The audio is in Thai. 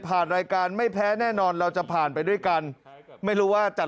รายการไม่แพ้แน่นอนเราจะผ่านไปด้วยกันไม่รู้ว่าจัด